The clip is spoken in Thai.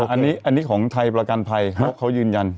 อันนี้ของไทยประกันภัยเพราะเขายืนยัน